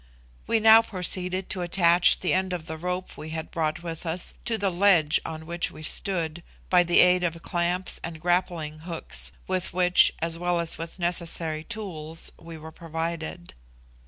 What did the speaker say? We now proceeded to attach the end of the rope we had brought with us to the ledge on which we stood, by the aid of clamps and grappling hooks, with which, as well as with necessary tools, we were provided.